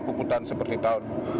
puputan seperti tahun